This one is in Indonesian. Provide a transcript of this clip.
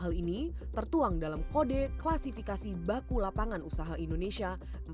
hal ini tertuang dalam kode klasifikasi baku lapangan usaha indonesia empat puluh tujuh ribu tujuh ratus lima puluh satu